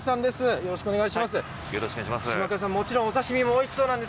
よろしくお願いします。